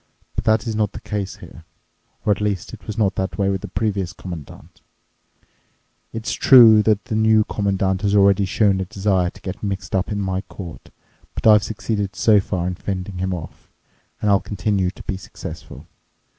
But that is not the case here, or at least it was not that way with the previous Commandant. It's true the New Commandant has already shown a desire to get mixed up in my court, but I've succeeded so far in fending him off. And I'll continue to be successful.